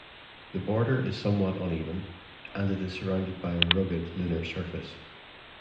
The border is somewhat uneven, and it is surrounded by rugged lunar surface.